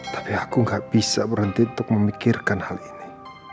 tapi aku gak bisa berhenti untuk memikirkan hal ini